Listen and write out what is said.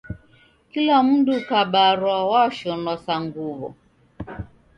Kila mndu ukabarwa washonwa sa nguw'o!